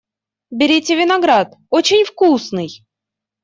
Берите виноград, очень вкусный!